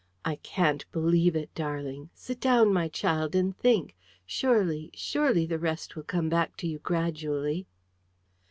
I can't believe it, darling. Sit down, my child, and think. Surely, surely the rest will come back to you gradually."